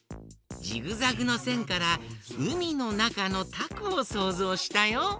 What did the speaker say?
ジグザグのせんからうみのなかのタコをそうぞうしたよ。